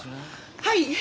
はい。